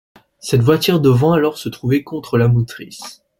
Cette voiture devant alors se trouver contre la motrice.